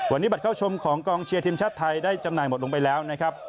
วันนี้บัตรเข้าชมของกองเชียร์ทีมชาติไทยได้จำหน่ายหมดลงไปแล้วนะครับ